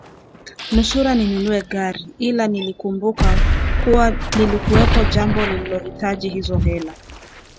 Nusura ninunue gari ila nilikumbuka kuwa lilikuwepo jambo lililohitaji hizo hela